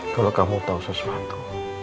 kalau kamu tau sesuatu